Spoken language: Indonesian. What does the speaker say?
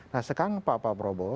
nah sekarang pak prabowo